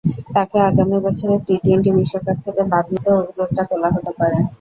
তাকে আগামী বছরের টি-টোয়েন্টি বিশ্বকাপ থেকে বাদ দিতেও অভিযোগটা তোলা হতে পারে।